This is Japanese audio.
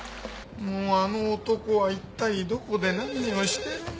もうあの男は一体どこで何をしてるんだよ。